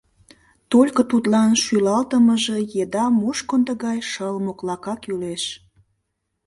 Только тудлан шӱлалтымыже еда мушкындо гай шыл моклака кӱлеш.